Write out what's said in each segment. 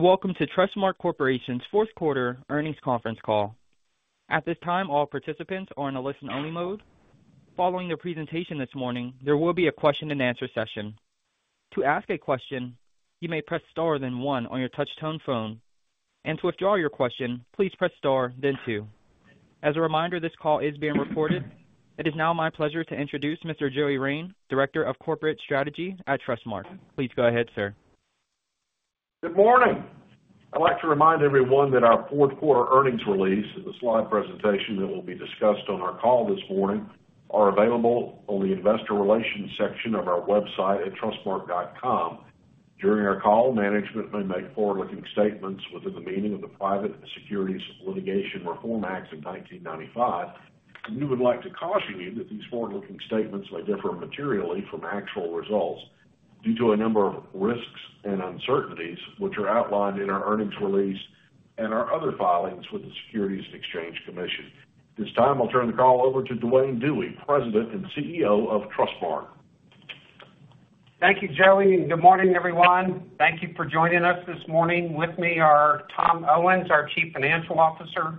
Welcome to Trustmark Corporation's Q4 Earnings Conference Call. At this time, all participants are in a listen-only mode. Following the presentation this morning, there will be a question-and-answer session. To ask a question, you may press star then one on your touch-tone phone. To withdraw your question, please press star then two. As a reminder, this call is being recorded. It is now my pleasure to introduce Mr. Joey Rein, Director of Corporate Strategy at Trustmark. Please go ahead, sir. Good morning. I'd like to remind everyone that our Q4 earnings release and the slide presentation that will be discussed on our call this morning are available on the investor relations section of our website at trustmark.com. During our call, management may make forward-looking statements within the meaning of the Private Securities Litigation Reform Act of 1995. We would like to caution you that these forward-looking statements may differ materially from actual results due to a number of risks and uncertainties, which are outlined in our earnings release and our other filings with the Securities and Exchange Commission. This time, I'll turn the call over to Duane Dewey, President and CEO of Trustmark. Thank you, Joey. Good morning, everyone. Thank you for joining us this morning. With me are Tom Owens, our Chief Financial Officer,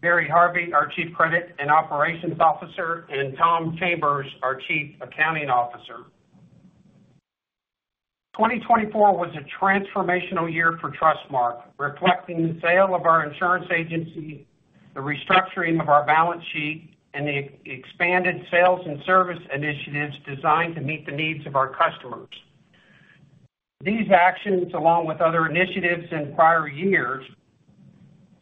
Barry Harvey, our Chief Credit and Operations Officer, and Tom Chambers, our Chief Accounting Officer. 2024 was a transformational year for Trustmark, reflecting the sale of our insurance agency, the restructuring of our balance sheet, and the expanded sales and service initiatives designed to meet the needs of our customers. These actions, along with other initiatives in prior years,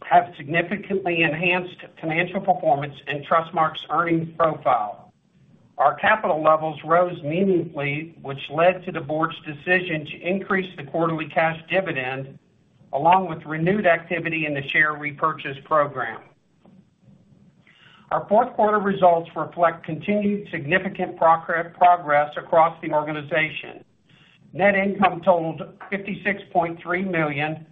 have significantly enhanced financial performance and Trustmark's earnings profile. Our capital levels rose meaningfully, which led to the board's decision to increase the quarterly cash dividend, along with renewed activity in the share repurchase program. Our Q4 results reflect continued significant progress across the organization. Net income totaled $56.3 million,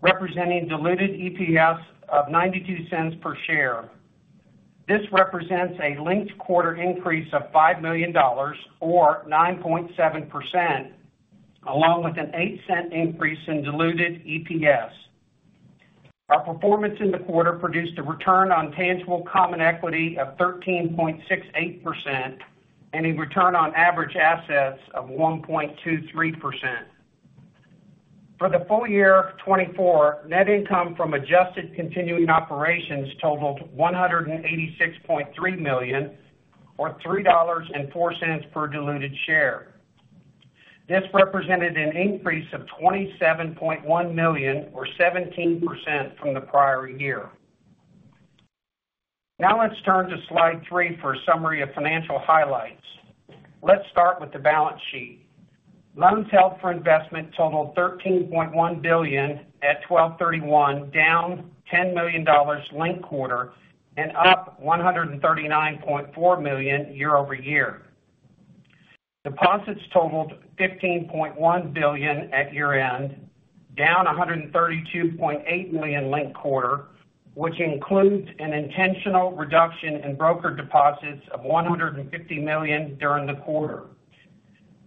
representing diluted EPS of $0.92 per share. This represents a linked quarter increase of $5 million, or 9.7%, along with an $0.08 increase in diluted EPS. Our performance in the quarter produced a return on tangible common equity of 13.68% and a return on average assets of 1.23%. For the full year 2024, net income from adjusted continuing operations totaled $186.3 million, or $3.04 per diluted share. This represented an increase of $27.1 million, or 17%, from the prior year. Now let's turn to slide three for a summary of financial highlights. Let's start with the balance sheet. Loans held for investment totaled $13.1 billion at 12/31, down $10 million linked quarter, and up $139.4 million year over year. Deposits totaled $15.1 billion at year-end, down $132.8 million linked quarter, which includes an intentional reduction in broker deposits of $150 million during the quarter.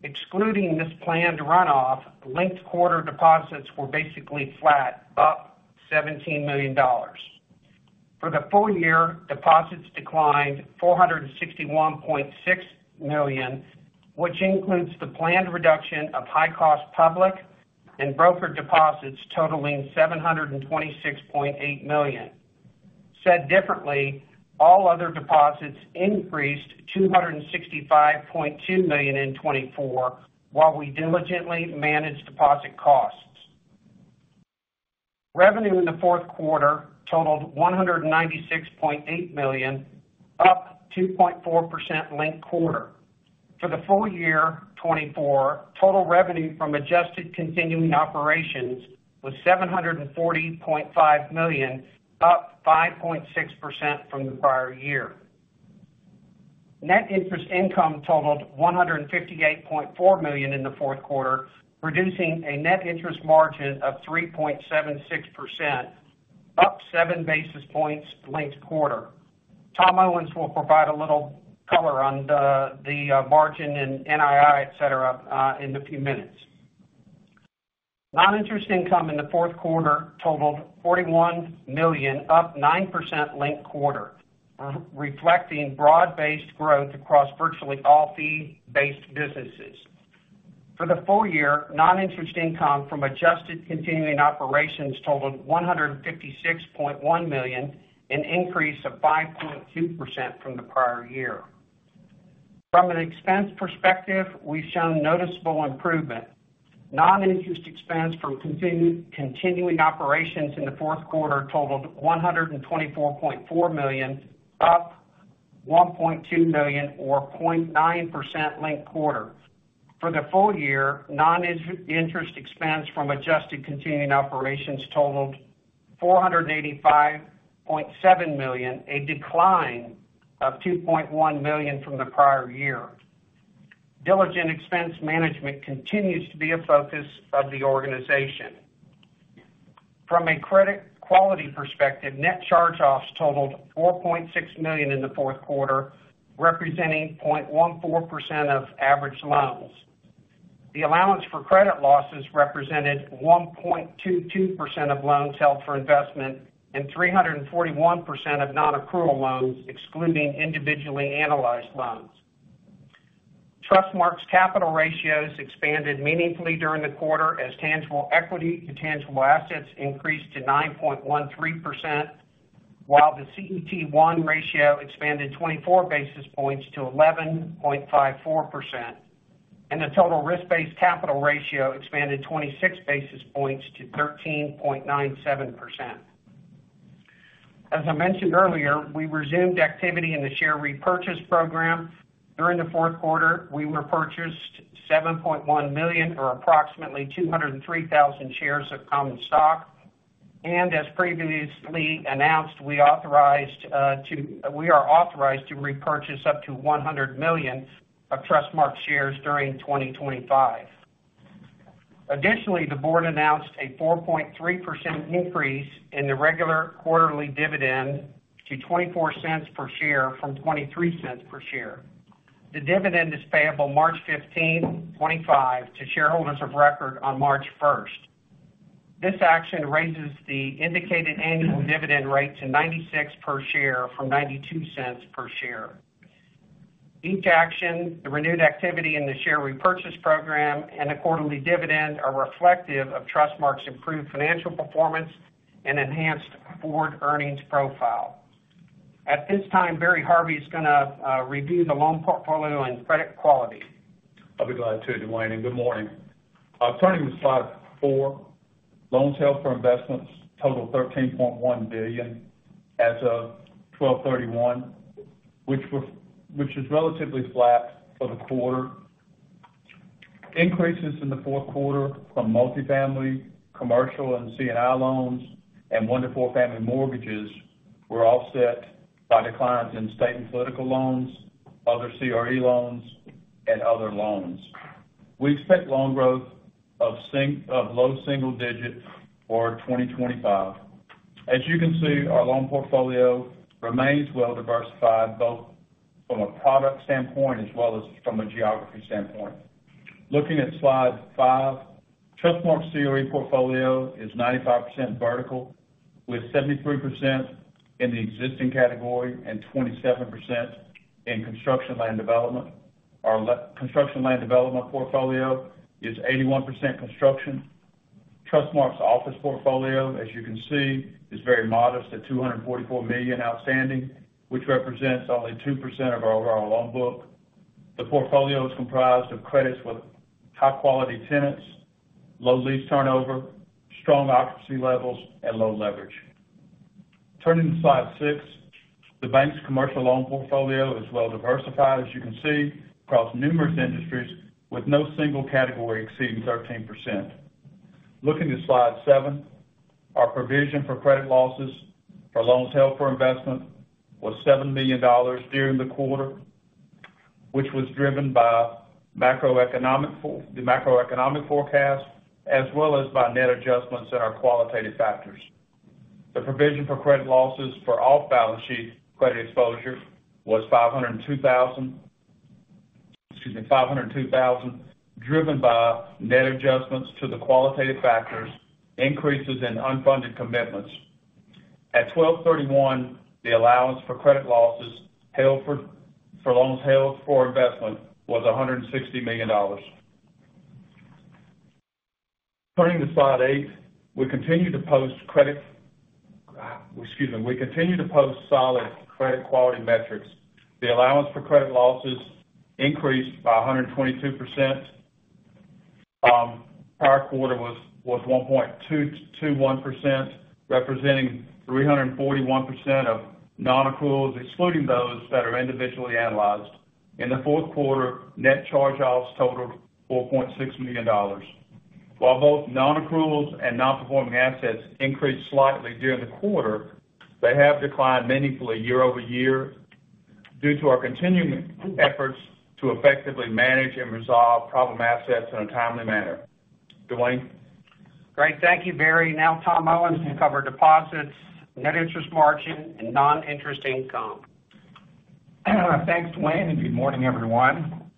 Excluding this planned runoff, linked quarter deposits were basically flat, up $17 million. For the full year, deposits declined $461.6 million, which includes the planned reduction of high-cost public and broker deposits totaling $726.8 million. Said differently, all other deposits increased $265.2 million in 2024 while we diligently managed deposit costs. Revenue in the Q4 totaled $196.8 million, up 2.4% linked quarter. For the full year 2024, total revenue from adjusted continuing operations was $740.5 million, up 5.6% from the prior year. Net interest income totaled $158.4 million in the Q4, producing a net interest margin of 3.76%, up seven basis points linked quarter. Tom Owens will provide a little color on the margin and NII, etc, in a few minutes. Non-interest income in the Q4 totaled $41 million, up 9% linked quarter, reflecting broad-based growth across virtually all fee-based businesses. For the full year, non-interest income from adjusted continuing operations totaled $156.1 million, an increase of 5.2% from the prior year. From an expense perspective, we've shown noticeable improvement. Non-interest expense from continuing operations in the Q4 totaled $124.4 million, up $1.2 million, or 0.9% linked quarter. For the full year, non-interest expense from adjusted continuing operations totaled $485.7 million, a decline of $2.1 million from the prior year. Diligent expense management continues to be a focus of the organization. From a credit quality perspective, net charge-offs totaled $4.6 million in the Q4, representing 0.14% of average loans. The allowance for credit losses represented 1.22% of loans held for investment and 341% of non-accrual loans, excluding individually analyzed loans. Trustmark's capital ratios expanded meaningfully during the quarter as tangible equity to tangible assets increased to 9.13%, while the CET1 ratio expanded 24 basis points to 11.54%, and the total risk-based capital ratio expanded 26 basis points to 13.97%. As I mentioned earlier, we resumed activity in the share repurchase program. During the Q4, we repurchased $7.1 million, or approximately 203,000 shares of common stock. And as previously announced, we are authorized to repurchase up to $100 million of Trustmark shares during 2025. Additionally, the board announced a 4.3% increase in the regular quarterly dividend to $0.24 per share from $0.23 per share. The dividend is payable March 15, 2025, to shareholders of record on March 1st. This action raises the indicated annual dividend rate to $0.96 per share from $0.92 per share. Each action, the renewed activity in the share repurchase program, and the quarterly dividend are reflective of Trustmark's improved financial performance and enhanced forward earnings profile. At this time, Barry Harvey is going to review the loan portfolio and credit quality. I'll be glad to, Duane. And good morning. Turning to slide four, loans held for investments totaled $13.1 billion as of 12/31, which is relatively flat for the quarter. Increases in the Q4 from multifamily, commercial, and C&I loans, and one-to-four-family mortgages were offset by declines in state and political loans, other CRE loans, and other loans. We expect loan growth of low single digit for 2025. As you can see, our loan portfolio remains well diversified, both from a product standpoint as well as from a geography standpoint. Looking at slide five, Trustmark's CRE portfolio is 95% vertical, with 73% in the existing category and 27% in construction land development. Our construction land development portfolio is 81% construction. Trustmark's office portfolio, as you can see, is very modest at $244 million outstanding, which represents only 2% of our overall loan book. The portfolio is comprised of credits with high-quality tenants, low lease turnover, strong occupancy levels, and low leverage. Turning to slide six, the bank's commercial loan portfolio is well diversified, as you can see, across numerous industries, with no single category exceeding 13%. Looking at slide seven, our provision for credit losses for loans held for investment was $7 million during the quarter, which was driven by the macroeconomic forecast as well as by net adjustments and our qualitative factors. The provision for credit losses for off-balance sheet credit exposure was $502,000, driven by net adjustments to the qualitative factors, increases in unfunded commitments. At 12/31, the allowance for credit losses for loans held for investment was $160 million. Turning to slide eight, we continue to post solid credit quality metrics. The allowance for credit losses increased by 122%. Prior quarter was 1.221%, representing 341% of non-accruals, excluding those that are individually analyzed. In the Q4, net charge-offs totaled $4.6 million. While both non-accruals and non-performing assets increased slightly during the quarter, they have declined meaningfully year over year due to our continuing efforts to effectively manage and resolve problem assets in a timely manner. Duane. Great. Thank you, Barry. Now, Tom Owens will cover deposits, net interest margin, and non-interest income. Thanks, Duane, and good morning, everyone.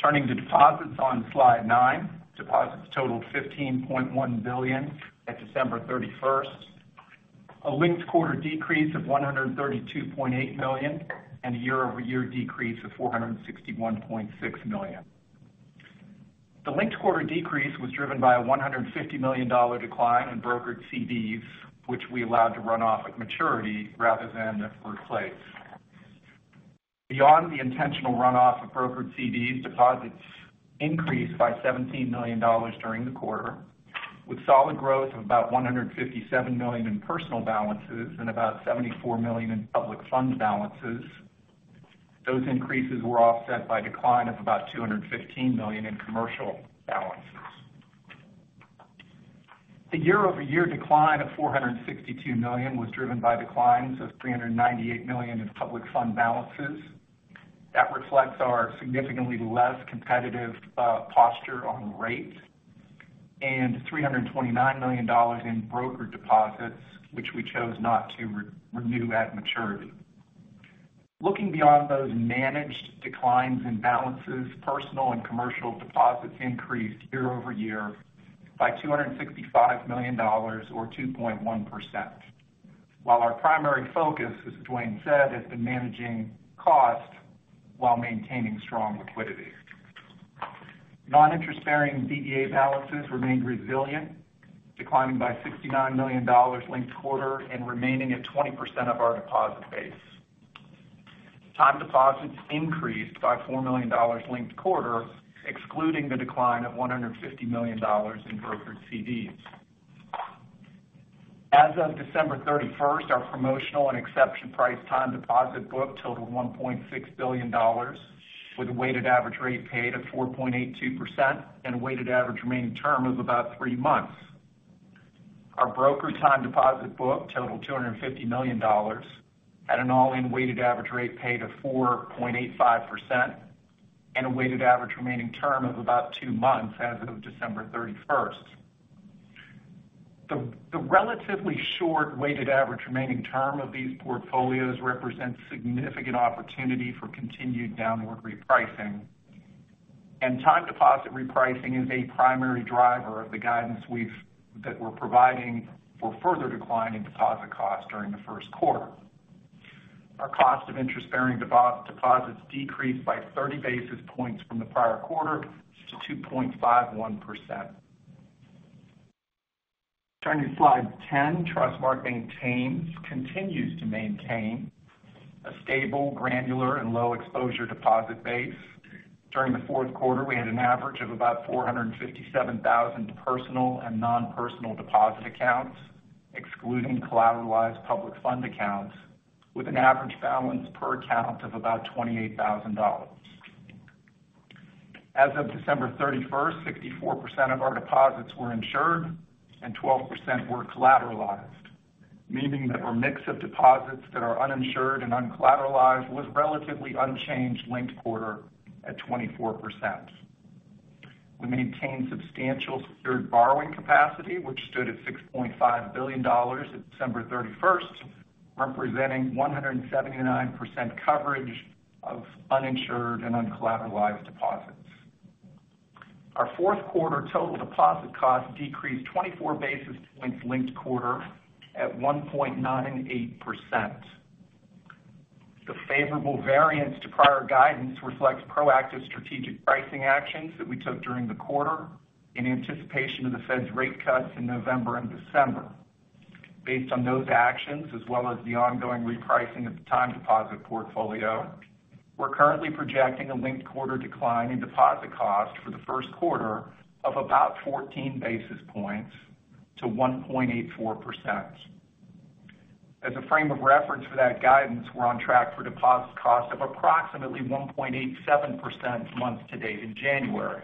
Turning to deposits on slide nine, deposits totaled $15.1 billion at December 31st, a linked quarter decrease of $132.8 million, and a year-over-year decrease of $461.6 million. The linked quarter decrease was driven by a $150 million decline in brokered CDs, which we allowed to run off at maturity rather than replace. Beyond the intentional runoff of brokered CDs, deposits increased by $17 million during the quarter, with solid growth of about $157 million in personal balances and about $74 million in public fund balances. Those increases were offset by a decline of about $215 million in commercial balances. The year-over-year decline of $462 million was driven by declines of $398 million in public fund balances. That reflects our significantly less competitive posture on rates and $329 million in brokered deposits, which we chose not to renew at maturity. Looking beyond those managed declines in balances, personal and commercial deposits increased year-over-year by $265 million, or 2.1%, while our primary focus, as Duane said, has been managing cost while maintaining strong liquidity. Non-interest-bearing DDA balances remained resilient, declining by $69 million linked quarter and remaining at 20% of our deposit base. Time deposits increased by $4 million linked quarter, excluding the decline of $150 million in brokered CDs. As of December 31st, our promotional and exception price time deposit book totaled $1.6 billion, with a weighted average rate paid of 4.82% and a weighted average remaining term of about three months. Our brokered time deposit book totaled $250 million at an all-in weighted average rate paid of 4.85% and a weighted average remaining term of about two months as of December 31st. The relatively short weighted average remaining term of these portfolios represents significant opportunity for continued downward repricing. Time deposit repricing is a primary driver of the guidance that we're providing for further decline in deposit costs during the Q1. Our cost of interest-bearing deposits decreased by 30 basis points from the prior quarter to 2.51%. Turning to slide ten, Trustmark continues to maintain a stable, granular, and low-exposure deposit base. During the Q4, we had an average of about 457,000 personal and non-personal deposit accounts, excluding collateralized public fund accounts, with an average balance per account of about $28,000. As of December 31st, 64% of our deposits were insured and 12% were collateralized, meaning that our mix of deposits that are uninsured and uncollateralized was relatively unchanged linked quarter at 24%. We maintained substantial secured borrowing capacity, which stood at $6.5 billion at December 31st, representing 179% coverage of uninsured and uncollateralized deposits. Our Q4 total deposit cost decreased 24 basis points linked quarter at 1.98%. The favorable variance to prior guidance reflects proactive strategic pricing actions that we took during the quarter in anticipation of the Fed's rate cuts in November and December. Based on those actions, as well as the ongoing repricing of the time deposit portfolio, we're currently projecting a linked quarter decline in deposit cost for the Q1 of about 14 basis points to 1.84%. As a frame of reference for that guidance, we're on track for deposit costs of approximately 1.87% month-to-date in January.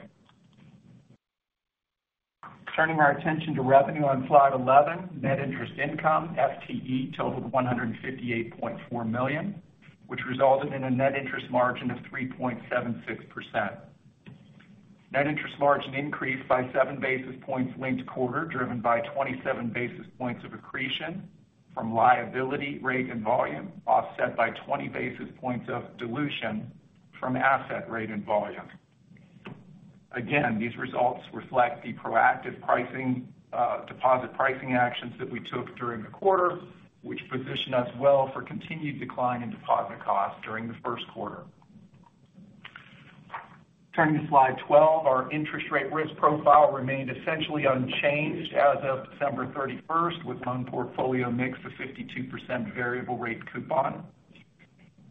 Turning our attention to revenue on slide 11, net interest income, FTE, totaled $158.4 million, which resulted in a net interest margin of 3.76%. Net interest margin increased by 7 basis points linked quarter, driven by 27 basis points of accretion from liability rate and volume, offset by 20 basis points of dilution from asset rate and volume. Again, these results reflect the proactive deposit pricing actions that we took during the quarter, which positioned us well for continued decline in deposit costs during the Q1. Turning to slide 12, our interest rate risk profile remained essentially unchanged as of December 31st, with loan portfolio mix of 52% variable rate coupon.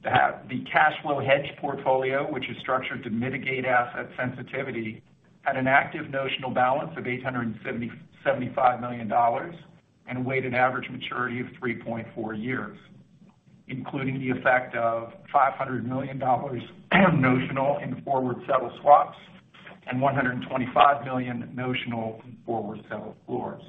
The cash flow hedge portfolio, which is structured to mitigate asset sensitivity, had an active notional balance of $875 million and a weighted average maturity of 3.4 years, including the effect of $500 million notional in forward settle swaps and $125 million notional in forward settle floors.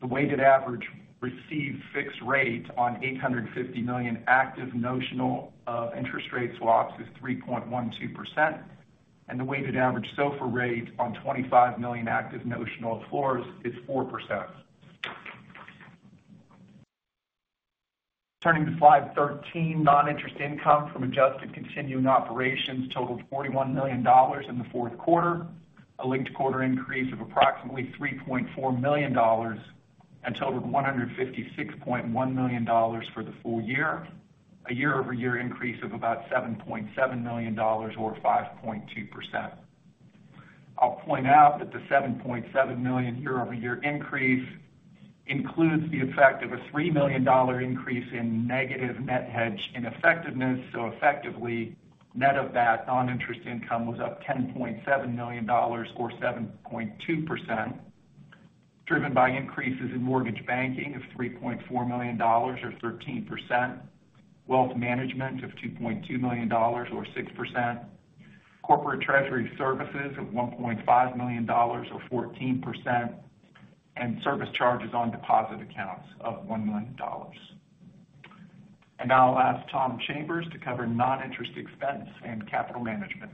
The weighted average received fixed rate on $850 million active notional of interest rate swaps is 3.12%, and the weighted average SOFR rate on $25 million active notional of floors is 4%. Turning to slide 13, non-interest income from adjusted continuing operations totaled $41 million in the Q4, a linked quarter increase of approximately $3.4 million and totaled $156.1 million for the full year, a year-over-year increase of about $7.7 million, or 5.2%. I'll point out that the $7.7 million year-over-year increase includes the effect of a $3 million increase in negative net hedge ineffectiveness. So effectively, net of that non-interest income was up $10.7 million, or 7.2%, driven by increases in mortgage banking of $3.4 million, or 13%, wealth management of $2.2 million, or 6%, corporate treasury services of $1.5 million, or 14%, and service charges on deposit accounts of $1 million. Now I'll ask Tom Chambers to cover non-interest expense and capital management.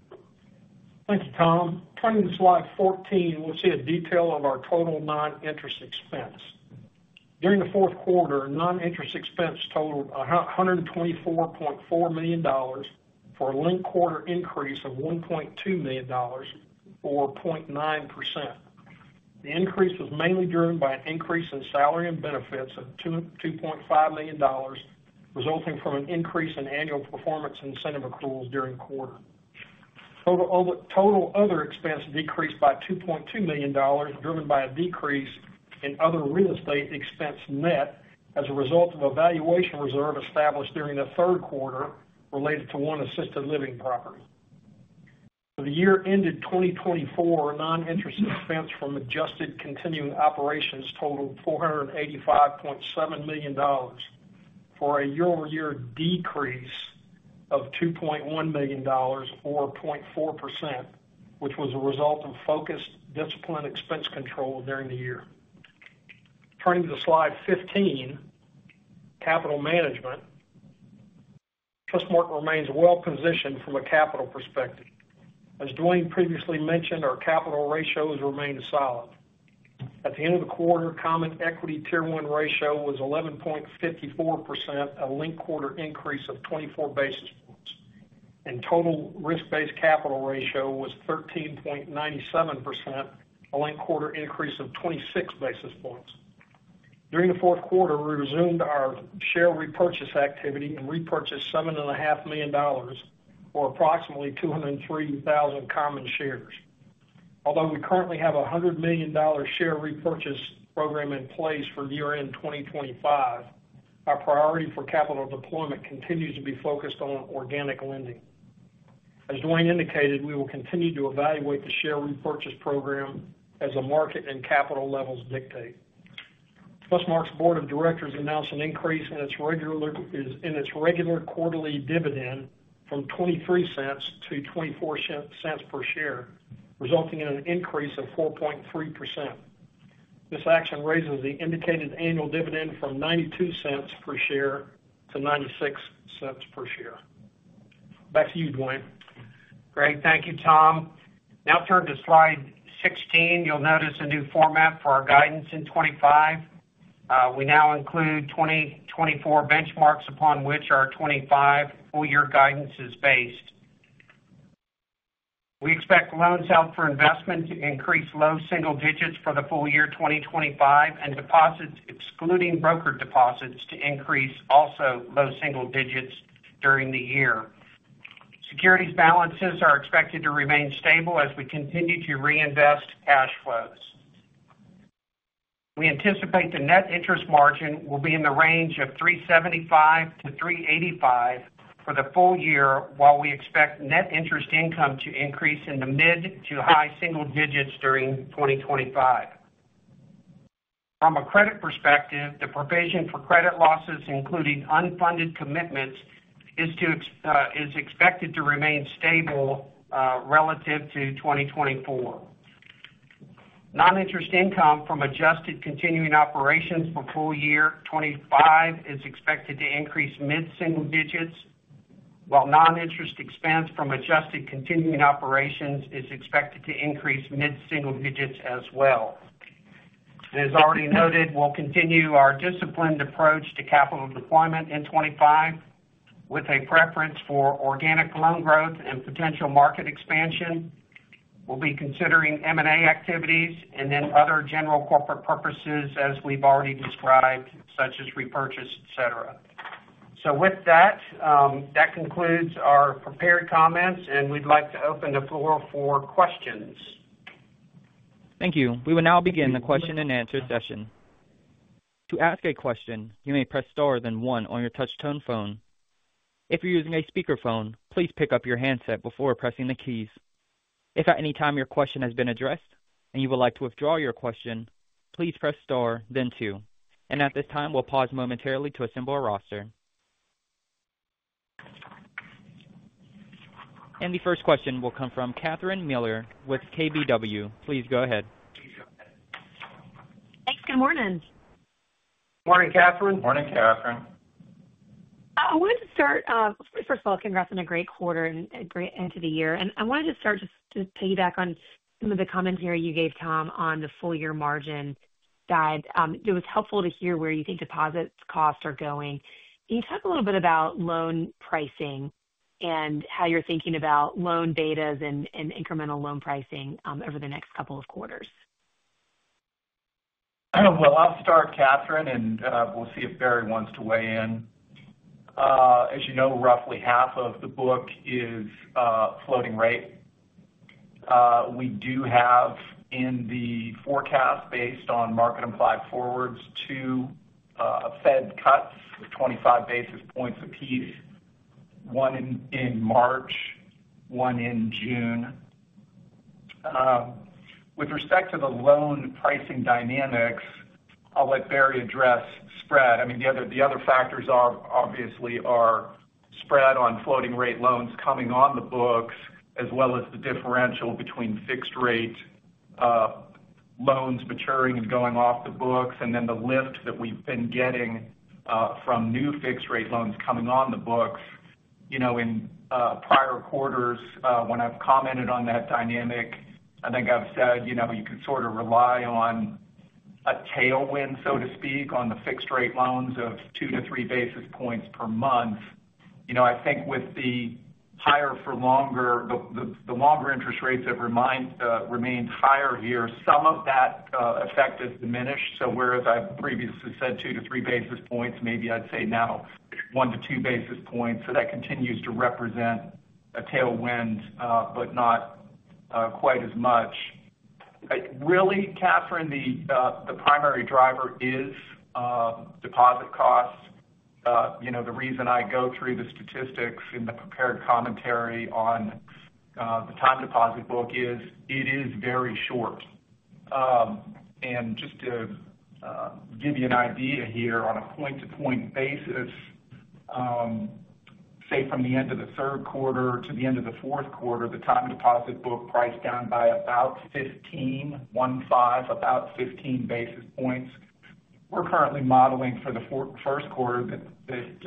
Thank you, Tom. Turning to slide 14, we'll see a detail of our total non-interest expense. During the Q4, non-interest expense totaled $124.4 million for a linked quarter increase of $1.2 million, or 0.9%. The increase was mainly driven by an increase in salary and benefits of $2.5 million, resulting from an increase in annual performance incentive accruals during the quarter. Total other expense decreased by $2.2 million, driven by a decrease in other real estate expense net as a result of a valuation reserve established during the Q3 related to one assisted living property. For the year-ended 2024, non-interest expense from adjusted continuing operations totaled $485.7 million for a year-over-year decrease of $2.1 million, or 0.4%, which was a result of focused discipline expense control during the year. Turning to slide 15, capital management, Trustmark remains well positioned from a capital perspective. As Duane previously mentioned, our capital ratios remained solid. At the end of the quarter, common equity tier one ratio was 11.54%, a linked quarter increase of 24 basis points, and total risk-based capital ratio was 13.97%, a linked quarter increase of 26 basis points. During the Q4, we resumed our share repurchase activity and repurchased $7.5 million, or approximately 203,000 common shares. Although we currently have a $100 million share repurchase program in place for year-end 2025, our priority for capital deployment continues to be focused on organic lending. As Duane indicated, we will continue to evaluate the share repurchase program as the market and capital levels dictate. Trustmark's board of directors announced an increase in its regular quarterly dividend from $0.23 to $0.24 per share, resulting in an increase of 4.3%. This action raises the indicated annual dividend from $0.92 per share to $0.96 per share. Back to you, Duane. Great. Thank you, Tom. Now turn to slide 16. You'll notice a new format for our guidance in 2025. We now include 2024 benchmarks upon which our 2025 full-year guidance is based. We expect loans held for investment to increase low single digits for the full year 2025, and deposits, excluding brokered deposits, to increase also low single digits during the year. Securities balances are expected to remain stable as we continue to reinvest cash flows. We anticipate the net interest margin will be in the range of 375 to 385 for the full year, while we expect net interest income to increase in the mid to high single digits during 2025. From a credit perspective, the provision for credit losses, including unfunded commitments, is expected to remain stable relative to 2024. Non-interest income from adjusted continuing operations for full year 2025 is expected to increase mid-single digits, while non-interest expense from adjusted continuing operations is expected to increase mid-single digits as well. As already noted, we'll continue our disciplined approach to capital deployment in 2025, with a preference for organic loan growth and potential market expansion. We'll be considering M&A activities and then other general corporate purposes, as we've already described, such as repurchase, etc. So with that, that concludes our prepared comments, and we'd like to open the floor for questions. Thank you. We will now begin the question-and-answer session. To ask a question, you may press star then one on your touch-tone phone. If you're using a speakerphone, please pick up your handset before pressing the keys. If at any time your question has been addressed and you would like to withdraw your question, please press star then two. And at this time, we'll pause momentarily to assemble a roster. And the first question will come from Catherine Mealor with KBW. Please go ahead. Thanks. Good morning. Morning, Catherine. Morning, Catherine. I wanted to start, first of all, congrats on a great quarter and a great end to the year. I wanted to start just to piggyback on some of the comments here you gave, Tom, on the full-year margin guide. It was helpful to hear where you think deposit costs are going. Can you talk a little bit about loan pricing and how you're thinking about loan betas and incremental loan pricing over the next couple of quarters? I'll start, Catherine, and we'll see if Barry wants to weigh in. As you know, roughly half of the book is floating rate. We do have in the forecast, based on market implied forwards, two Fed cuts of 25 basis points apiece, one in March, one in June. With respect to the loan pricing dynamics, I'll let Barry address spread. I mean, the other factors obviously are spread on floating rate loans coming on the books, as well as the differential between fixed-rate loans maturing and going off the books, and then the lift that we've been getting from new fixed-rate loans coming on the books. In prior quarters, when I've commented on that dynamic, I think I've said you can sort of rely on a tailwind, so to speak, on the fixed-rate loans of two to three basis points per month. I think with the higher-for-longer, the longer interest rates have remained higher here, some of that effect has diminished. So whereas I previously said two to three basis points, maybe I'd say now one to two basis points. So that continues to represent a tailwind, but not quite as much. Really, Catherine, the primary driver is deposit costs. The reason I go through the statistics in the prepared commentary on the time deposit book is it is very short. And just to give you an idea here, on a point-to-point basis, say from the end of the Q3 to the end of the Q4, the time deposit book priced down by about 15, one-five, about 15 basis points. We're currently modeling for the Q1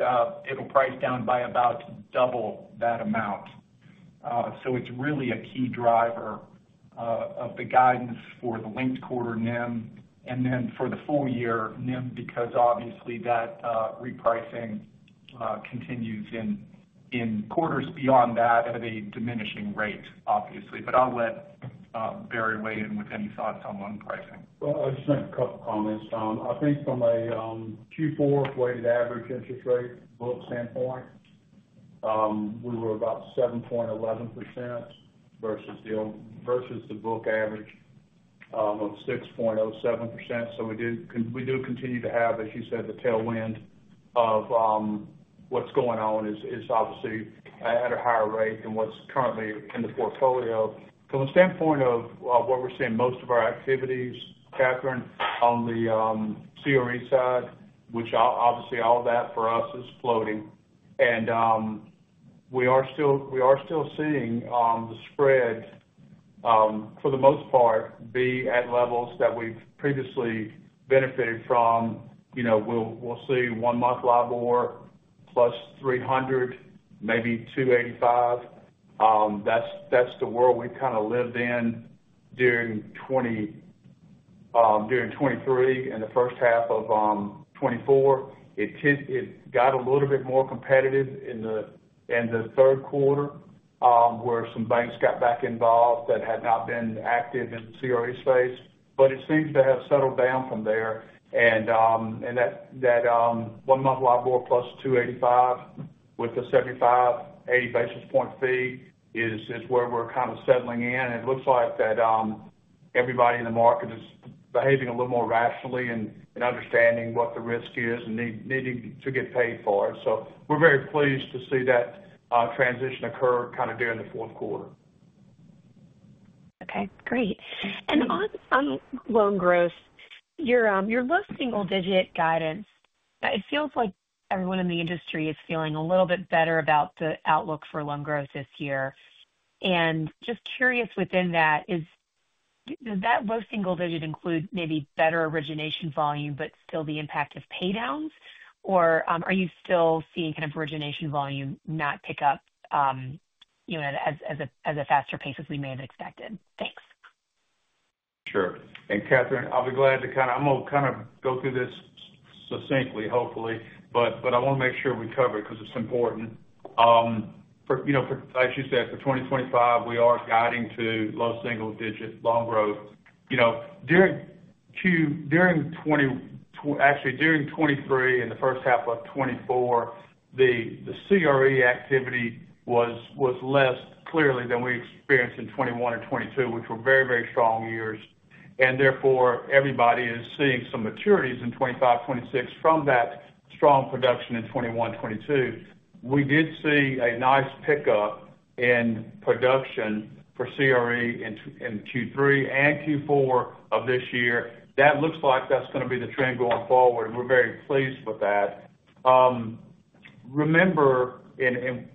that it'll price down by about double that amount. So it's really a key driver of the guidance for the linked quarter NIM and then for the full year NIM, because obviously that repricing continues in quarters beyond that at a diminishing rate, obviously. But I'll let Barry weigh in with any thoughts on loan pricing. I just have a couple of comments. I think from a Q4 weighted average interest rate book standpoint, we were about 7.11% versus the book average of 6.07%. So we do continue to have, as you said, the tailwind of what's going on is obviously at a higher rate than what's currently in the portfolio. From the standpoint of what we're seeing most of our activities, Catherine, on the CRE side, which obviously all that for us is floating, and we are still seeing the spread, for the most part, be at levels that we've previously benefited from. We'll see one-month LIBOR plus 300, maybe 285. That's the world we've kind of lived in during 2023 and the first half of 2024. It got a little bit more competitive in the Q3 where some banks got back involved that had not been active in the CRE space. But it seems to have settled down from there. And that one-month LIBOR plus 285 with the 75-80 basis point fee is where we're kind of settling in. And it looks like that everybody in the market is behaving a little more rationally and understanding what the risk is and needing to get paid for it. So we're very pleased to see that transition occur kind of during the Q4. Okay. Great. And on loan growth, your low single-digit guidance, it feels like everyone in the industry is feeling a little bit better about the outlook for loan growth this year. And just curious within that, does that low single digit include maybe better origination volume, but still the impact of paydowns? Or are you still seeing kind of origination volume not pick up at a faster pace as we may have expected? Thanks. Sure, Katherine. I'll be glad to kind of go through this succinctly, hopefully, but I want to make sure we cover it because it's important. As you said, for 2025, we are guiding to low single-digit loan growth. Actually, during 2023 and the first half of 2024, the CRE activity was less clearly than we experienced in 2021 and 2022, which were very, very strong years. Therefore, everybody is seeing some maturities in 2025, 2026 from that strong production in 2021, 2022. We did see a nice pickup in production for CRE in Q3 and Q4 of this year. That looks like that's going to be the trend going forward. We're very pleased with that. Remember,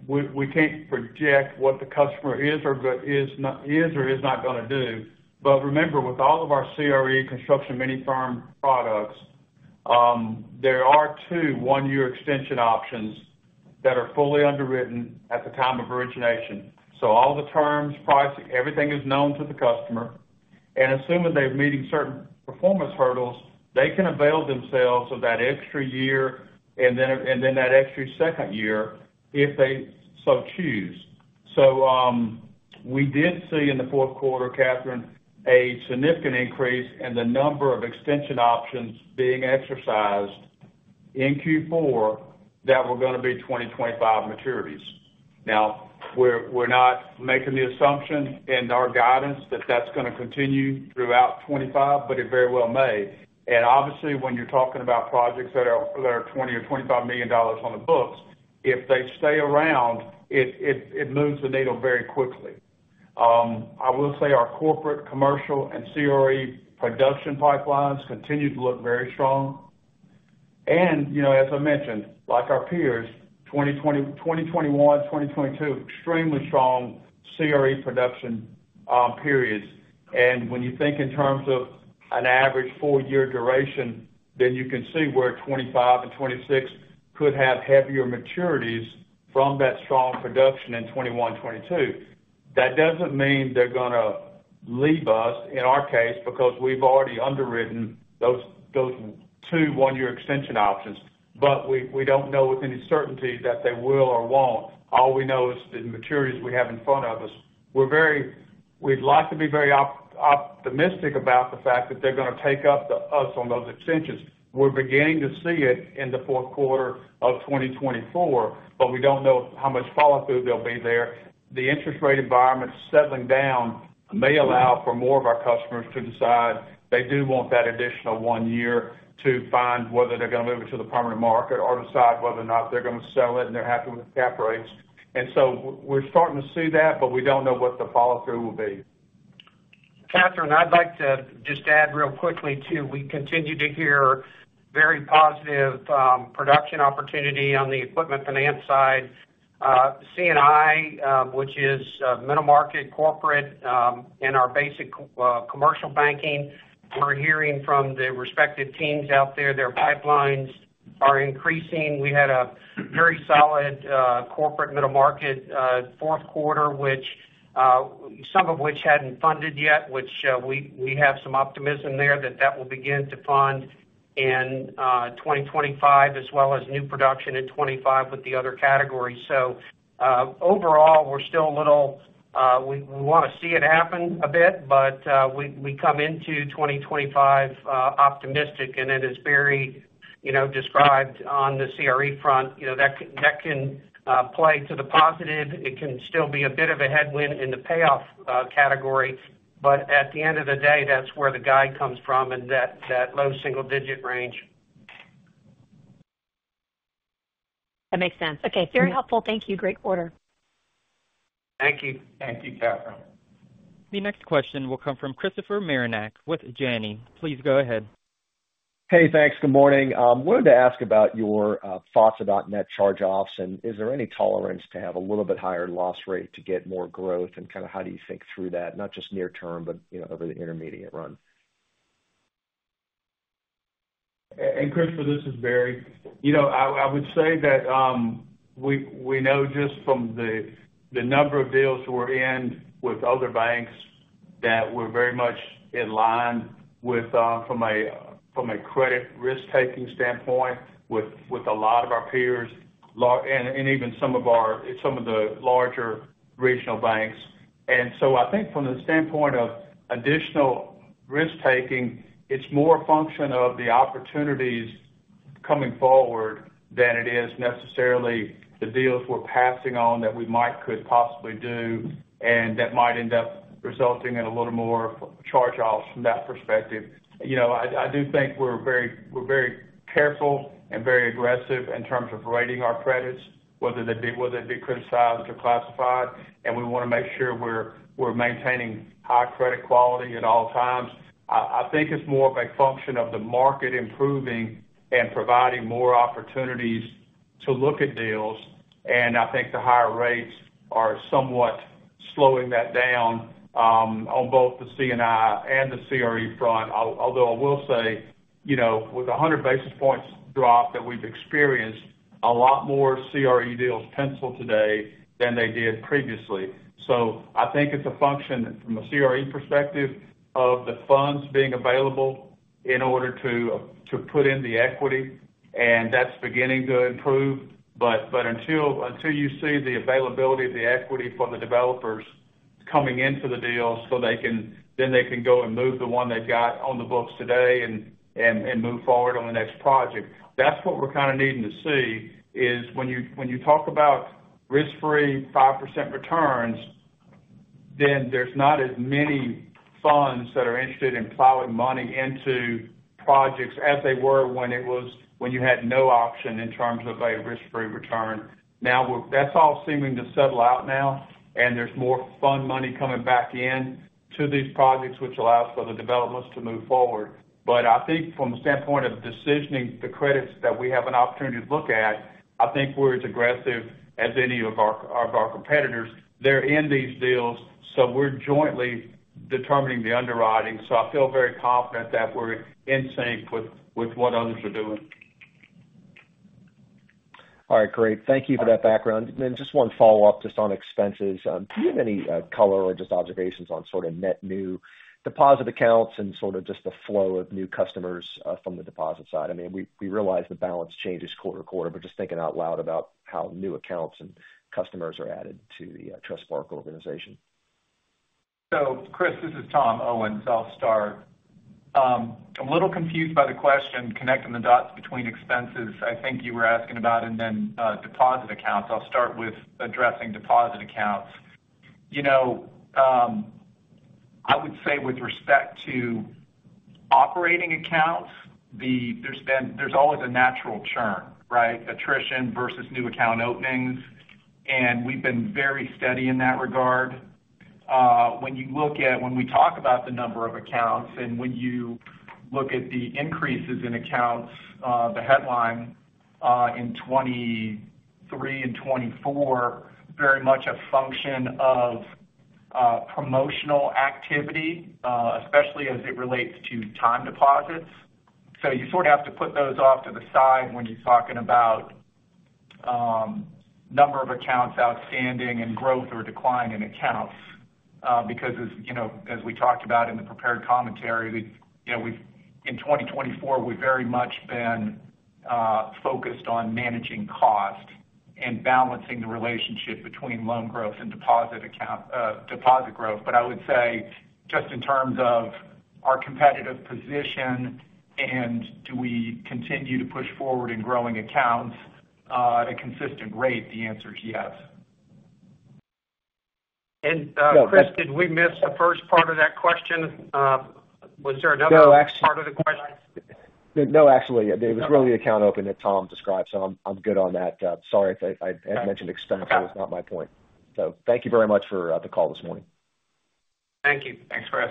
we can't project what the customer is or is not going to do. But remember, with all of our CRE construction multifamily products, there are two one-year extension options that are fully underwritten at the time of origination. So all the terms, pricing, everything is known to the customer. And assuming they're meeting certain performance hurdles, they can avail themselves of that extra year and then that extra second year if they so choose. So we did see in the Q4, Katherine, a significant increase in the number of extension options being exercised in Q4 that were going to be 2025 maturities. Now, we're not making the assumption in our guidance that that's going to continue throughout 2025, but it very well may. And obviously, when you're talking about projects that are $20 to $25 million on the books, if they stay around, it moves the needle very quickly. I will say our corporate, commercial, and CRE production pipelines continue to look very strong, and as I mentioned, like our peers, 2021, 2022, extremely strong CRE production periods. And when you think in terms of an average full-year duration, then you can see where 2025 and 2026 could have heavier maturities from that strong production in 2021, 2022. That doesn't mean they're going to leave us, in our case, because we've already underwritten those two one-year extension options, but we don't know with any certainty that they will or won't. All we know is the materials we have in front of us. We'd like to be very optimistic about the fact that they're going to take us up on those extensions. We're beginning to see it in the Q4 of 2024, but we don't know how much follow-through there'll be there. The interest rate environment settling down may allow for more of our customers to decide they do want that additional one year to find whether they're going to move it to the permanent market or decide whether or not they're going to sell it and they're happy with cap rates, and so we're starting to see that, but we don't know what the follow-through will be. Catherine, I'd like to just add real quickly too. We continue to hear very positive production opportunity on the equipment finance side. C&I, which is middle-market corporate and our basic commercial banking, we're hearing from the respective teams out there. Their pipelines are increasing. We had a very solid corporate middle-market Q4, some of which hadn't funded yet, which we have some optimism there that that will begin to fund in 2025, as well as new production in 2025 with the other categories. So overall, we're still a little we want to see it happen a bit, but we come into 2025 optimistic. And as Barry described on the CRE front, that can play to the positive. It can still be a bit of a headwind in the payoff category. But at the end of the day, that's where the guide comes from and that low single-digit range. That makes sense. Okay. Very helpful. Thank you. Great quarter. Thank you. Thank you, Catherine. The next question will come from Christopher Marinac with Janney Montgomery Scott. Please go ahead. Hey, thanks. Good morning. I wanted to ask about your thoughts about net charge-offs and is there any tolerance to have a little bit higher loss rate to get more growth and kind of how do you think through that, not just near-term, but over the intermediate run? Christopher, this is Barry. I would say that we know just from the number of deals we're in with other banks that we're very much in line from a credit risk-taking standpoint with a lot of our peers and even some of the larger regional banks. So I think from the standpoint of additional risk-taking, it's more a function of the opportunities coming forward than it is necessarily the deals we're passing on that we might could possibly do and that might end up resulting in a little more charge-offs from that perspective. I do think we're very careful and very aggressive in terms of rating our credits, whether they be criticized or classified. We want to make sure we're maintaining high credit quality at all times. I think it's more of a function of the market improving and providing more opportunities to look at deals. I think the higher rates are somewhat slowing that down on both the C&I and the CRE front. Although I will say, with 100 basis points drop that we've experienced, a lot more CRE deals pencil today than they did previously. So I think it's a function from a CRE perspective of the funds being available in order to put in the equity. And that's beginning to improve. But until you see the availability of the equity for the developers coming into the deals, then they can go and move the one they've got on the books today and move forward on the next project. That's what we're kind of needing to see is when you talk about risk-free 5% returns, then there's not as many funds that are interested in plowing money into projects as they were when you had no option in terms of a risk-free return. Now, that's all seeming to settle out now, and there's more fund money coming back into these projects, which allows for the developers to move forward, but I think from the standpoint of decisioning the credits that we have an opportunity to look at, I think we're as aggressive as any of our competitors. They're in these deals, so we're jointly determining the underwriting, so I feel very confident that we're in sync with what others are doing. All right. Great. Thank you for that background. And then just one follow-up just on expenses. Do you have any color or just observations on sort of net new deposit accounts and sort of just the flow of new customers from the deposit side? I mean, we realize the balance changes quarter to quarter, but just thinking out loud about how new accounts and customers are added to the Trustmark organization. Chris, this is Tom Owens. I'll start. I'm a little confused by the question connecting the dots between expenses. I think you were asking about it and then deposit accounts. I'll start with addressing deposit accounts. I would say with respect to operating accounts, there's always a natural churn, right? Attrition versus new account openings. And we've been very steady in that regard. When you look at when we talk about the number of accounts and when you look at the increases in accounts, the headline in 2023 and 2024, very much a function of promotional activity, especially as it relates to time deposits. So you sort of have to put those off to the side when you're talking about number of accounts outstanding and growth or decline in accounts. Because as we talked about in the prepared commentary, in 2024, we've very much been focused on managing cost and balancing the relationship between loan growth and deposit growth, but I would say just in terms of our competitive position and do we continue to push forward in growing accounts at a consistent rate, the answer is yes. Chris, did we miss the first part of that question? Was there another part of the question? No, actually, there was really an account opened that Tom described. So I'm good on that. Sorry if I had mentioned expense. It was not my point. So thank you very much for the call this morning. Thank you. Thanks, Chris.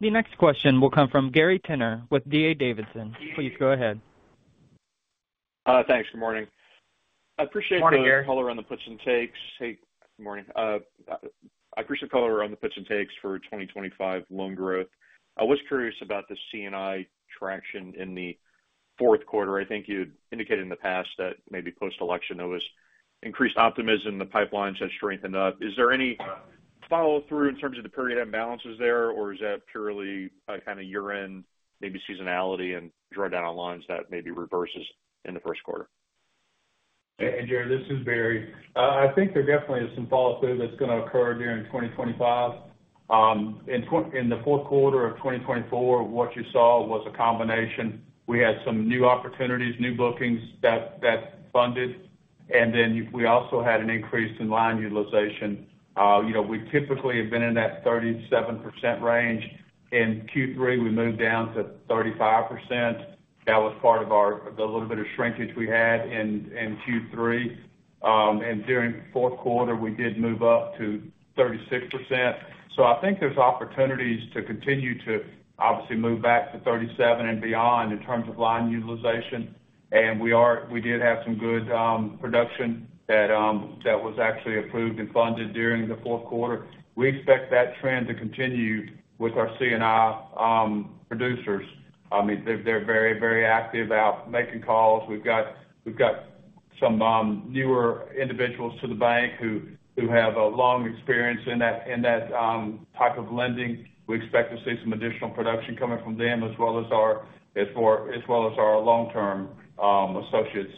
The next question will come from Gary Tenner with D.A. Davidson. Please go ahead. Thanks. Good morning. I appreciate the color on the puts and takes. Hey, good morning. I appreciate the color on the puts and takes for 2025 loan growth. I was curious about the C&I traction in the Q4. I think you had indicated in the past that maybe post-election there was increased optimism. The pipelines had strengthened up. Is there any follow-through in terms of the period imbalances there, or is that purely kind of year-end, maybe seasonality and drawdown on lines that maybe reverses in the Q1? Hey, Gary, this is Barry. I think there definitely is some follow-through that's going to occur during 2025. In the Q4 of 2024, what you saw was a combination. We had some new opportunities, new bookings that funded, and then we also had an increase in line utilization. We typically have been in that 37% range. In Q3, we moved down to 35%. That was part of the little bit of shrinkage we had in Q3, and during the Q4, we did move up to 36%. So I think there's opportunities to continue to obviously move back to 37 and beyond in terms of line utilization, and we did have some good production that was actually approved and funded during the Q4. We expect that trend to continue with our C&I producers. I mean, they're very, very active out making calls. We've got some newer individuals to the bank who have a long experience in that type of lending. We expect to see some additional production coming from them as well as our long-term associates.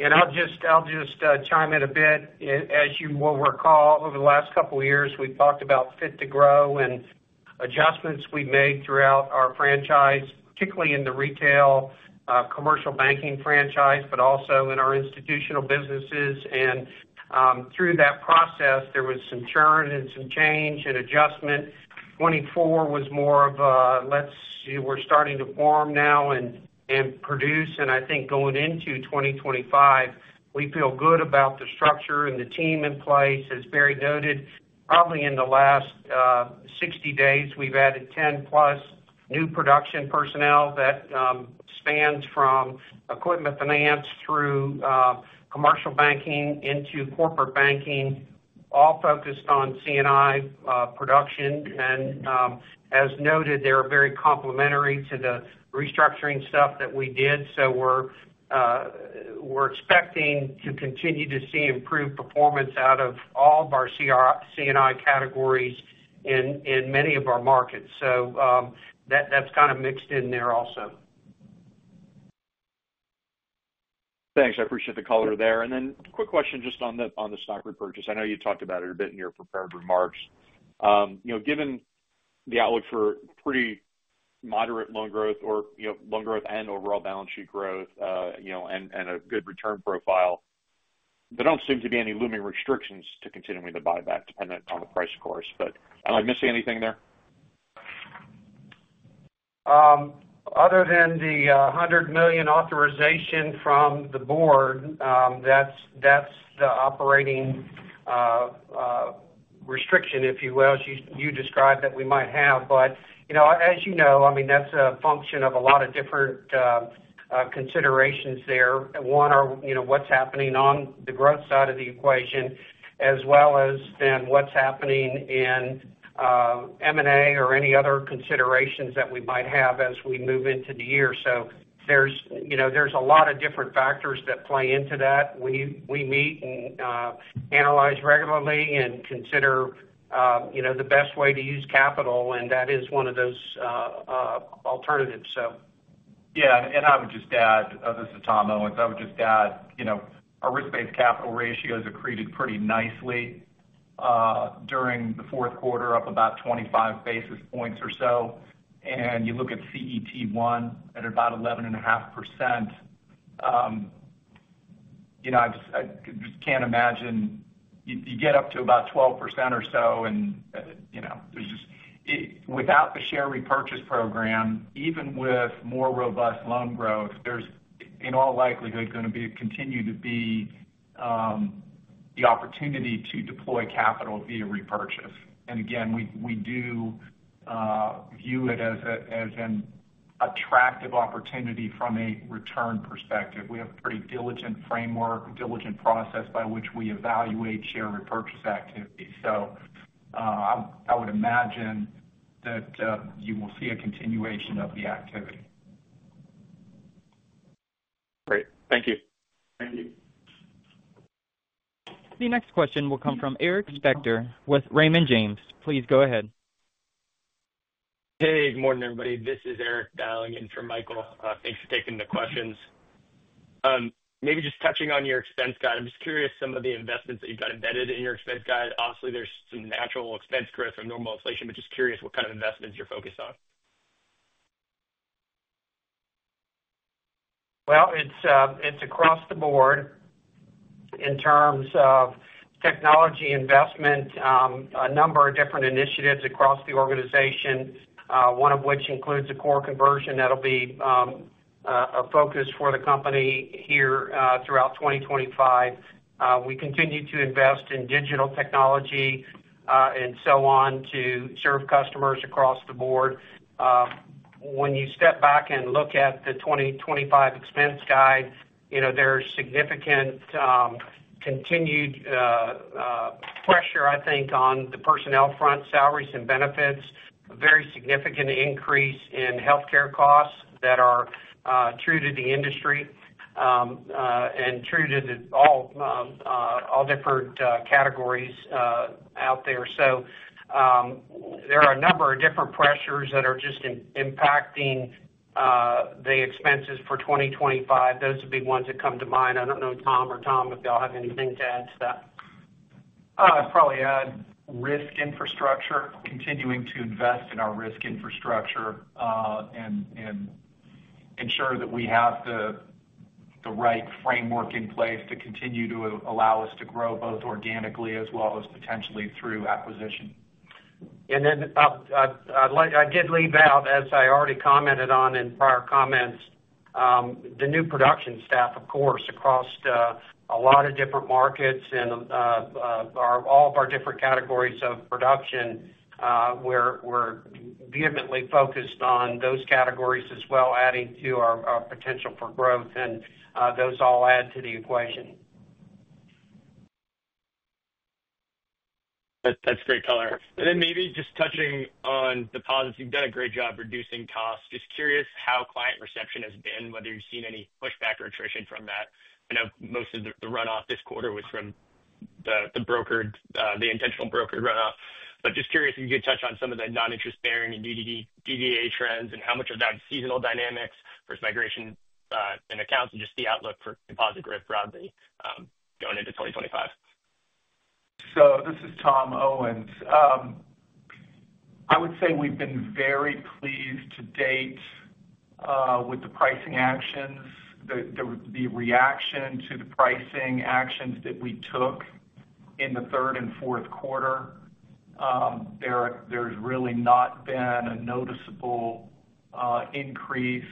And I'll just chime in a bit. As you will recall, over the last couple of years, we've talked about Fit to Grow and adjustments we've made throughout our franchise, particularly in the retail commercial banking franchise, but also in our institutional businesses. And through that process, there was some churn and some change and adjustment. 2024 was more of a, let's see, we're starting to form now and produce. And I think going into 2025, we feel good about the structure and the team in place. As Barry noted, probably in the last 60 days, we've added 10-plus new production personnel that spans from equipment finance through commercial banking into corporate banking, all focused on C&I production. And as noted, they're very complementary to the restructuring stuff that we did. So we're expecting to continue to see improved performance out of all of our C&I categories in many of our markets. So that's kind of mixed in there also. Thanks. I appreciate the color there. And then quick question just on the stock repurchase. I know you talked about it a bit in your prepared remarks. Given the outlook for pretty moderate loan growth or loan growth and overall balance sheet growth and a good return profile, there don't seem to be any looming restrictions to continuing to buy back dependent on the price of course. But am I missing anything there? Other than the $100 million authorization from the board, that's the operating restriction, if you will, as you described that we might have. But as you know, I mean, that's a function of a lot of different considerations there. One are what's happening on the growth side of the equation, as well as then what's happening in M&A or any other considerations that we might have as we move into the year. So there's a lot of different factors that play into that. We meet and analyze regularly and consider the best way to use capital. And that is one of those alternatives, so. Yeah. And I would just add, this is Tom Owens. I would just add our risk-based capital ratio is accreted pretty nicely during the Q4, up about 25 basis points or so. And you look at CET1 at about 11.5%. I just can't imagine you get up to about 12% or so. And without the share repurchase program, even with more robust loan growth, there's in all likelihood going to continue to be the opportunity to deploy capital via repurchase. And again, we do view it as an attractive opportunity from a return perspective. We have a pretty diligent framework, diligent process by which we evaluate share repurchase activity. So I would imagine that you will see a continuation of the activity. Great. Thank you. Thank you. The next question will come from Eric Dowling with Raymond James. Please go ahead. Hey, good morning, everybody. This is Eric Dowling in for Michael. Thanks for taking the questions. Maybe just touching on your expense guide. I'm just curious some of the investments that you've got embedded in your expense guide. Obviously, there's some natural expense growth or normal inflation, but just curious what kind of investments you're focused on. It's across the board in terms of technology investment, a number of different initiatives across the organization, one of which includes a core conversion that'll be a focus for the company here throughout 2025. We continue to invest in digital technology and so on to serve customers across the board. When you step back and look at the 2025 expense guide, there's significant continued pressure, I think, on the personnel front, salaries and benefits, a very significant increase in healthcare costs that are true to the industry and true to all different categories out there. There are a number of different pressures that are just impacting the expenses for 2025. Those would be ones that come to mind. I don't know, Tom or Tom, if y'all have anything to add to that. I'd probably add risk infrastructure, continuing to invest in our risk infrastructure and ensure that we have the right framework in place to continue to allow us to grow both organically as well as potentially through acquisition. Then I did leave out, as I already commented on in prior comments, the new production staff, of course, across a lot of different markets and all of our different categories of production. We're vehemently focused on those categories as well, adding to our potential for growth. Those all add to the equation. That's great color. And then maybe just touching on deposits, you've done a great job reducing costs. Just curious how client reception has been, whether you've seen any pushback or attrition from that. I know most of the runoff this quarter was from the intentional broker runoff. But just curious if you could touch on some of the non-interest-bearing and DDA trends and how much of that seasonal dynamics versus migration and accounts and just the outlook for deposit growth broadly going into 2025. So this is Tom Owens. I would say we've been very pleased to date with the pricing actions, the reaction to the pricing actions that we took in the Q3 and Q4. There's really not been a noticeable increase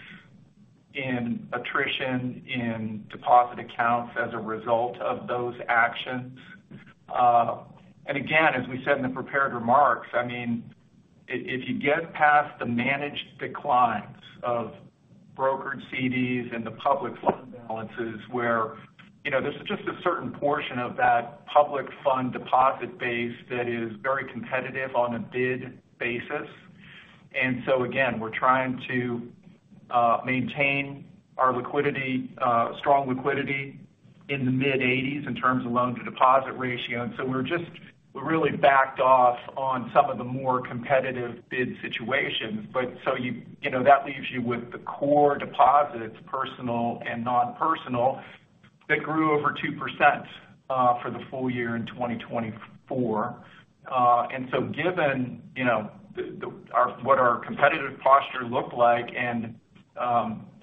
in attrition in deposit accounts as a result of those actions. And again, as we said in the prepared remarks, I mean, if you get past the managed declines of brokered CDs and the public fund balances where there's just a certain portion of that public fund deposit base that is very competitive on a bid basis. And so again, we're trying to maintain our strong liquidity in the mid-80s in terms of loan-to-deposit ratio. And so we're really backed off on some of the more competitive bid situations. But so that leaves you with the core deposits, personal and non-personal, that grew over 2% for the full year in 2024. And so given what our competitive posture looked like and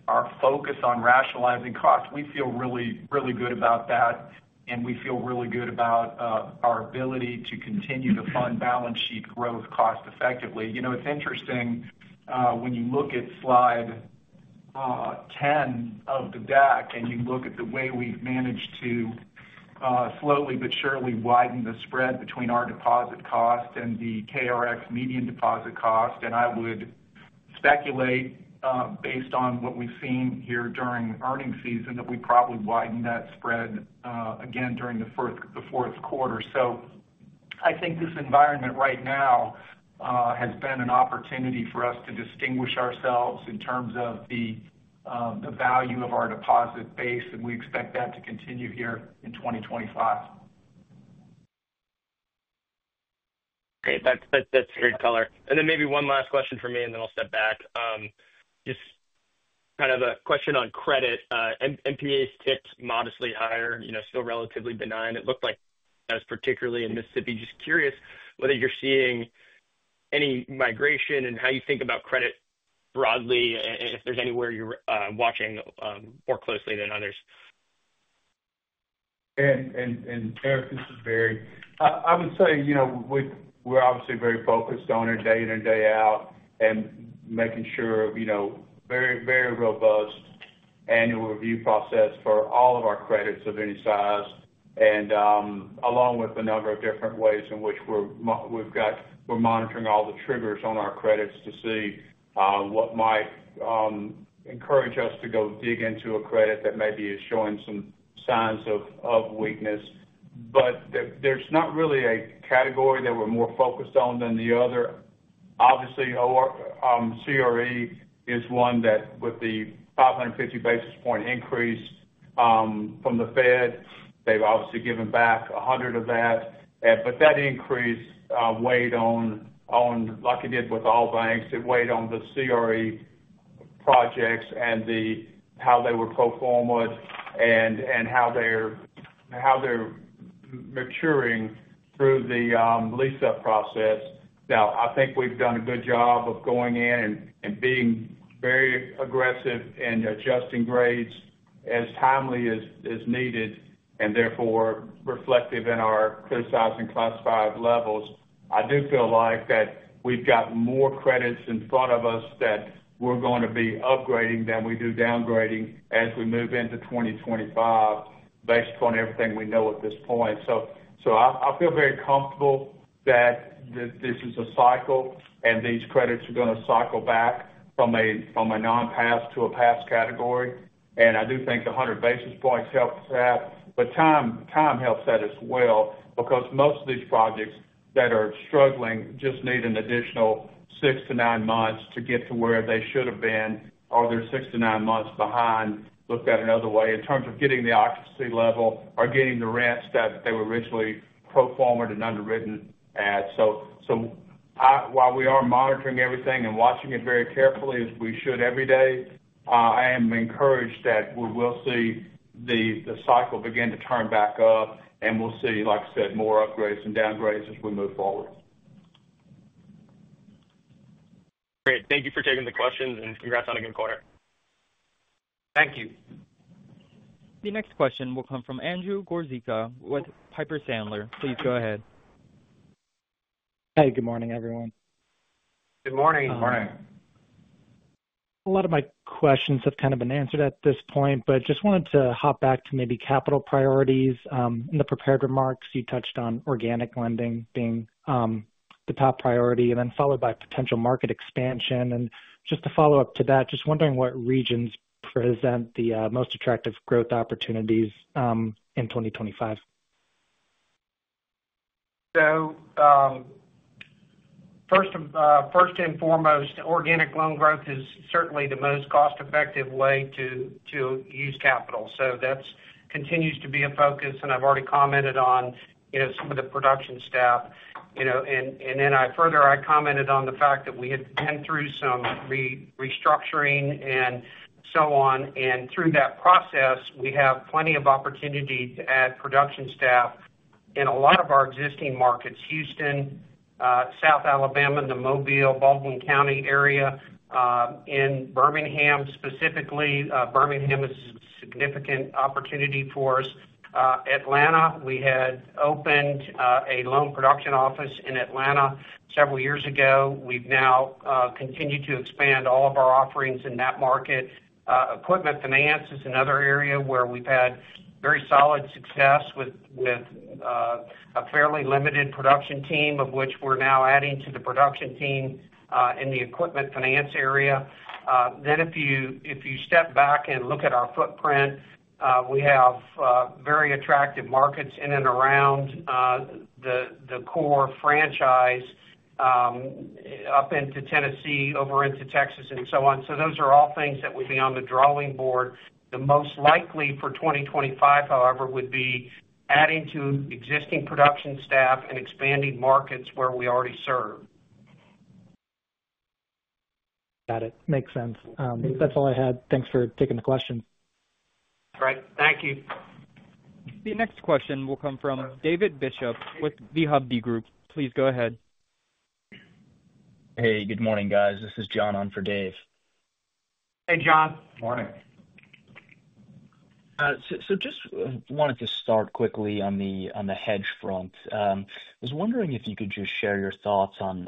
our focus on rationalizing costs, we feel really, really good about that. And we feel really good about our ability to continue to fund balance sheet growth cost-effectively. It's interesting when you look at slide 10 of the deck and you look at the way we've managed to slowly but surely widen the spread between our deposit cost and the KRX median deposit cost. And I would speculate based on what we've seen here during earnings season that we probably widen that spread again during the Q4. So I think this environment right now has been an opportunity for us to distinguish ourselves in terms of the value of our deposit base. We expect that to continue here in 2025. Okay. That's great color. And then maybe one last question for me, and then I'll step back. Just kind of a question on credit. NPAs tipped modestly higher, still relatively benign. It looked like that was particularly in Mississippi. Just curious whether you're seeing any migration and how you think about credit broadly, if there's anywhere you're watching more closely than others. Eric, this is Barry. I would say we're obviously very focused on it day in and day out and making sure of a very robust annual review process for all of our credits of any size, along with a number of different ways in which we're monitoring all the triggers on our credits to see what might encourage us to go dig into a credit that maybe is showing some signs of weakness. There's not really a category that we're more focused on than the other. Obviously, CRE is one that with the 550 basis points increase from the Fed, they've obviously given back 100 of that. That increase weighed on, like it did with all banks, it weighed on the CRE projects and how they were pro forma and how they're maturing through the lease-up process. Now, I think we've done a good job of going in and being very aggressive in adjusting grades as timely as needed and therefore reflective in our criticized classified levels. I do feel like that we've got more credits in front of us that we're going to be upgrading than we do downgrading as we move into 2025 based upon everything we know at this point. So I feel very comfortable that this is a cycle and these credits are going to cycle back from a non-pass to a pass category. And I do think 100 basis points helps that. But time helps that as well because most of these projects that are struggling just need an additional six to nine months to get to where they should have been or they're six to nine months behind. Looked at another way in terms of getting the occupancy level or getting the rents that they were originally pro forma and underwritten at. So while we are monitoring everything and watching it very carefully as we should every day, I am encouraged that we will see the cycle begin to turn back up, and we'll see, like I said, more upgrades and downgrades as we move forward. Great. Thank you for taking the questions and congrats on a good quarter. Thank you. The next question will come from Andrew Gorczyca with Piper Sandler. Please go ahead. Hey, good morning, everyone. Good morning. Morning. A lot of my questions have kind of been answered at this point, but just wanted to hop back to maybe capital priorities. In the prepared remarks, you touched on organic lending being the top priority and then followed by potential market expansion. And just to follow up to that, just wondering what regions present the most attractive growth opportunities in 2025. So first and foremost, organic loan growth is certainly the most cost-effective way to use capital. So that continues to be a focus. And I've already commented on some of the production staff. And then further, I commented on the fact that we had been through some restructuring and so on. And through that process, we have plenty of opportunity to add production staff in a lot of our existing markets: Houston, South Alabama, the Mobile, Baldwin County area, in Birmingham specifically. Birmingham is a significant opportunity for us. Atlanta, we had opened a loan production office in Atlanta several years ago. We've now continued to expand all of our offerings in that market. Equipment finance is another area where we've had very solid success with a fairly limited production team, of which we're now adding to the production team in the equipment finance area. Then if you step back and look at our footprint, we have very attractive markets in and around the core franchise up into Tennessee, over into Texas, and so on. So those are all things that would be on the drawing board. The most likely for 2025, however, would be adding to existing production staff and expanding markets where we already serve. Got it. Makes sense. That's all I had. Thanks for taking the question. All right. Thank you. The next question will come from David Bishop with Hovde Group. Please go ahead. Hey, good morning, guys. This is John on for David Bishop. Hey, John. Morning. So just wanted to start quickly on the hedge front. I was wondering if you could just share your thoughts on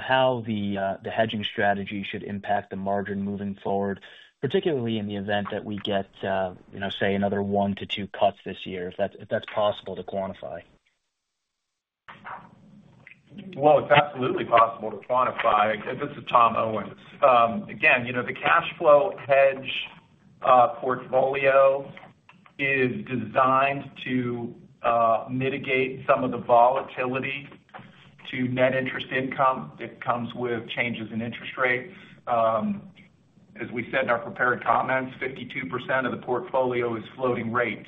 how the hedging strategy should impact the margin moving forward, particularly in the event that we get, say, another one to two cuts this year, if that's possible to quantify. It's absolutely possible to quantify. This is Tom Owens. Again, the cash flow hedge portfolio is designed to mitigate some of the volatility to net interest income. It comes with changes in interest rates. As we said in our prepared comments, 52% of the portfolio is floating rate.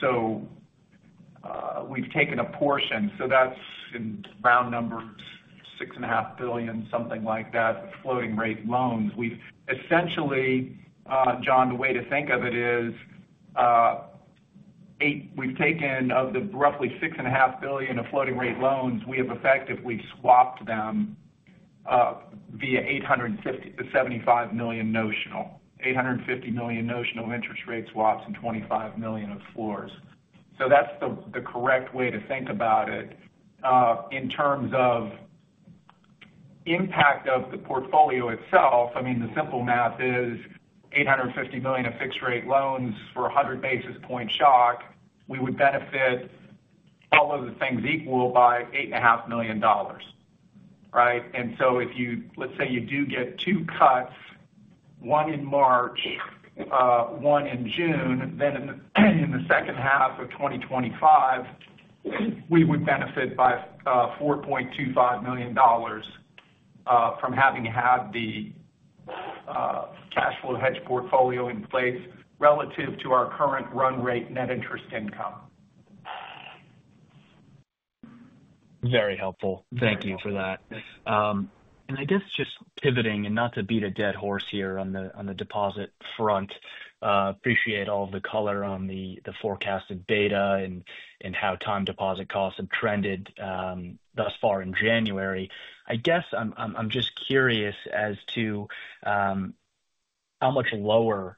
So we've taken a portion. So that's in round numbers, $6.5 billion, something like that, floating rate loans. Essentially, John, the way to think of it is we've taken of the roughly $6.5 billion of floating rate loans, we have effectively swapped them via $850 million notional interest rate swaps and $25 million of floors. So that's the correct way to think about it. In terms of impact of the portfolio itself, I mean, the simple math is $850 million of fixed rate loans for 100 basis points shock. We would benefit, all else equal, by $8.5 million, right? And so if, let's say, you do get two cuts, one in March, one in June, then in the second half of 2025, we would benefit by $4.25 million from having had the Cash Flow Hedge Portfolio in place relative to our current run rate net interest income. Very helpful. Thank you for that. And I guess just pivoting and not to beat a dead horse here on the deposit front, appreciate all the color on the forecasted beta and how time deposit costs have trended thus far in January. I guess I'm just curious as to how much lower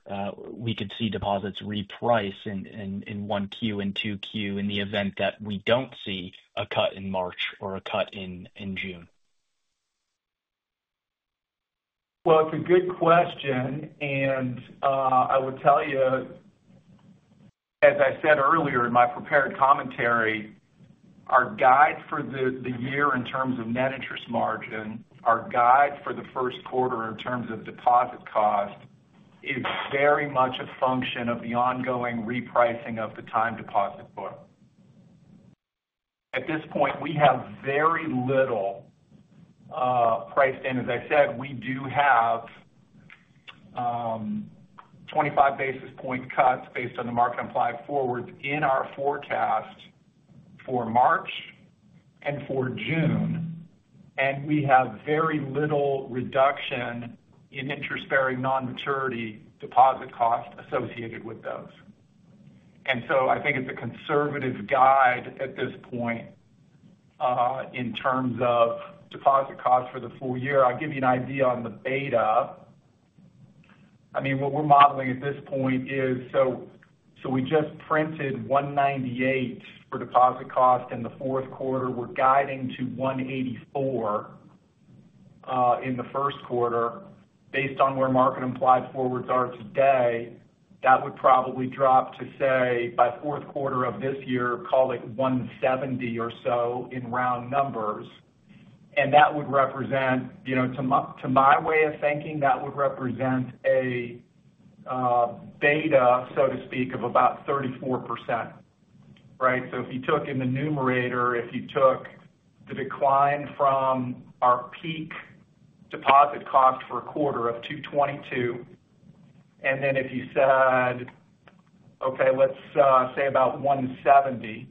we could see deposits repriced in 1Q and 2Q in the event that we don't see a cut in March or a cut in June. It's a good question, and I would tell you, as I said earlier in my prepared commentary, our guide for the year in terms of net interest margin, our guide for the Q1 in terms of deposit cost is very much a function of the ongoing repricing of the time deposit book. At this point, we have very little priced in. As I said, we do have 25 basis points cuts based on the market implied forwards in our forecast for March and for June, and we have very little reduction in interest-bearing non-maturity deposit cost associated with those, and so I think it's a conservative guide at this point in terms of deposit cost for the full year. I'll give you an idea on the beta. I mean, what we're modeling at this point is so we just printed 198 for deposit cost in the Q4. We're guiding to 184 in the Q1. Based on where market implied forwards are today, that would probably drop to, say, by Q4 of this year, call it 170 or so in round numbers. And that would represent, to my way of thinking, that would represent a beta, so to speak, of about 34%, right? So if you took in the numerator, if you took the decline from our peak deposit cost for a quarter of 222, and then if you said, "Okay, let's say about 170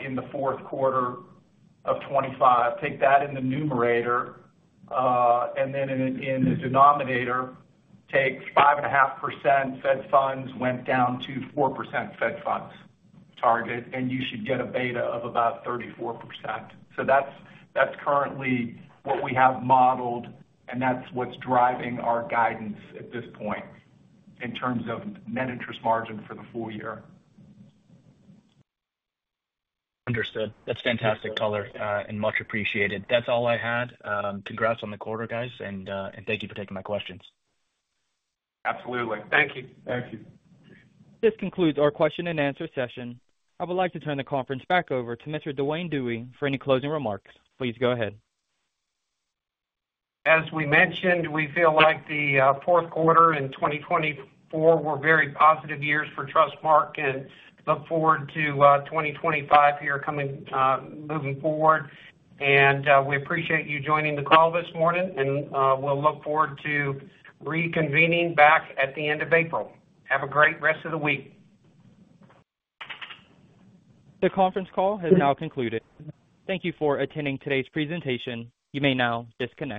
in the Q4 of 2025," take that in the numerator, and then in the denominator, take 5.5% Fed funds went down to 4% Fed funds target, and you should get a beta of about 34%. So that's currently what we have modeled, and that's what's driving our guidance at this point in terms of net interest margin for the full year. Understood. That's fantastic color and much appreciated. That's all I had. Congrats on the quarter, guys, and thank you for taking my questions. Absolutely. Thank you. Thank you. This concludes our question and answer session. I would like to turn the conference back over to Mr. Duane Dewey for any closing remarks. Please go ahead. As we mentioned, we feel like the Q4 in 2024 were very positive years for Trustmark and look forward to 2025 here coming moving forward, and we appreciate you joining the call this morning, and we'll look forward to reconvening back at the end of April. Have a great rest of the week. The conference call has now concluded. Thank you for attending today's presentation. You may now disconnect.